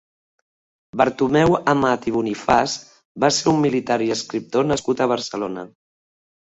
Bartomeu Amat i Bonifàs va ser un militar i escriptor nascut a Barcelona.